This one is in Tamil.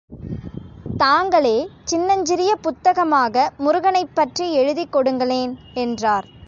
தாங்களே சின்னஞ்சிறிய புத்தகமாக முருகனைப் பற்றி எழுதிக் கொடுங்களேன் என்றார்.